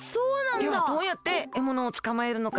ではどうやってえものをつかまえるのか？